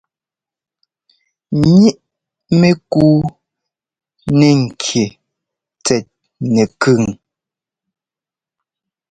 Ŋíʼ mɛkuu nɛ ŋki tsɛt nɛkʉn.